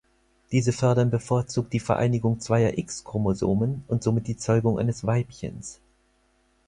Diese fördern bevorzugt die Vereinigung zweier X-Chromosomen und somit die Zeugung eines Weibchens.